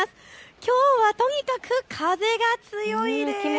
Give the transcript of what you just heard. きょうはとにかく風が強いです。